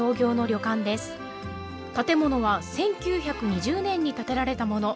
建物は１９２０年に建てられたもの。